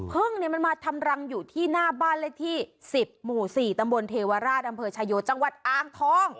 พึ่งมันมาทำรังอยู่ที่หน้าบ้านเลขที่๑๐หมู่๔ตำบลเทวราชอำเภอชายโยจังหวัดอ่างทอง